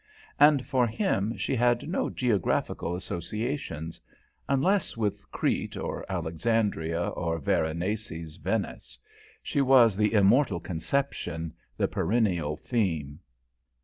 And for him she had no geographical associations; unless with Crete, or Alexandria, or Veronese's Venice. She was the immortal conception, the perennial theme.